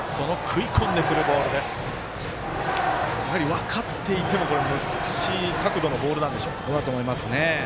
分かっていても難しい角度のボールなんでしょう。